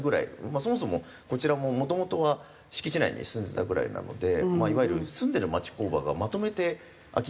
そもそもこちらももともとは敷地内に住んでたぐらいなのでまあいわゆる住んでる町工場がまとめて空き